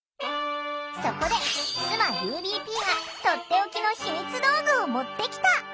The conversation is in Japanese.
そこで須磨ＵＢＰがとっておきのヒミツ道具を持ってきた！